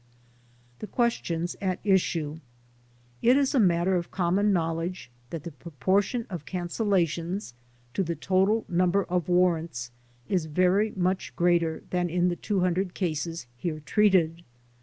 The Questions at Issue It is a matter of common knowledge that the propor tion of cancellations to the total number of warrants is very much greater than in the 200 cases here treated.